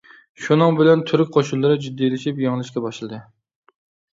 شۇنىڭ بىلەن تۈرك قوشۇنلىرى جىددىيلىشىپ يېڭىلىشكە باشلىدى.